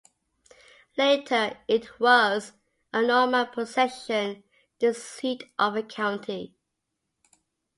Later it was a Norman possession, the seat of a county.